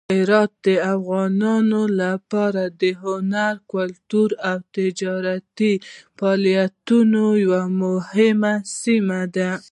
هرات د افغانانو لپاره د هنر، کلتور او تجارتي فعالیتونو یوه مهمه سیمه ده.